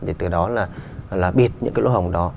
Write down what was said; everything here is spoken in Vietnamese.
để từ đó là bịt những cái lỗ hồng đó